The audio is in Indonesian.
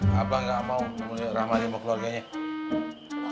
mbak mau ketemu sama rumah keluarganya